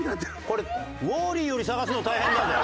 「これウォーリーより探すの大変だぜ」